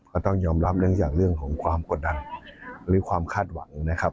ก็ต้องยอมรับเนื่องจากเรื่องของความกดดันหรือความคาดหวังนะครับ